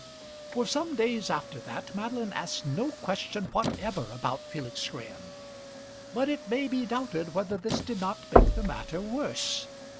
For some days after that Madeline asked no question whatever about Felix Graham, but it may be doubted whether this did not make the matter worse.